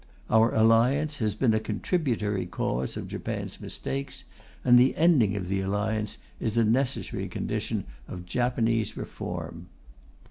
Our Alliance has been a contributory cause of Japan's mistakes, and the ending of the Alliance is a necessary condition of Japanese reform.